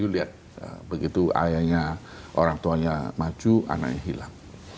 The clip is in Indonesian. lihat begitu ayahnya orang tuanya maju anaknya hilang